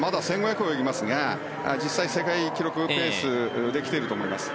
１５００を泳ぎますが実際世界記録ペースで来ていると思います。